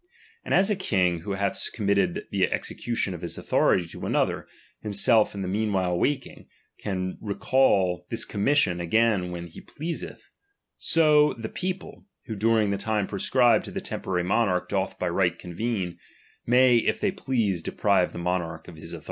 And as a king who oa, th committed the execution of his authority to Another, himself in the meanwhile waking, can re cal this commission again when he pleaseth ; so ^^ peojde, who during the time prescribed to the temporary monarch doth by right convene, may if tiiey please deprive the monarch of his authority.